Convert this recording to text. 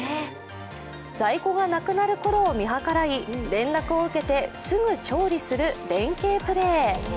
在庫がなくなるころを見計らい連絡を受けてすぐ調理する連係プレー。